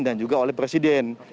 dan juga oleh presiden